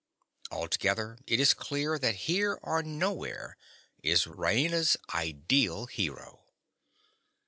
Altogether it is clear that here or nowhere is Raina's ideal hero.